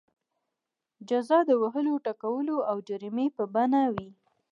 جزا د وهلو ټکولو او جریمې په بڼه وي.